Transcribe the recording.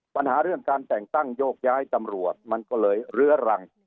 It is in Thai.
ปัญหาเรื่องการแต่งตั้งโยกย้ายตำรวจมันก็เลยเรื้อรัง